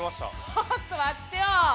ちょっと待ってよ。